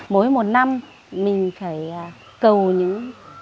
mỗi một năm mình phải cầu những